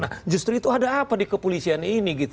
nah justru itu ada apa di kepolisian ini gitu